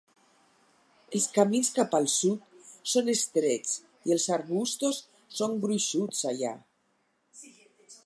Els camins cap al sud són estrets i els arbustos són gruixuts allà.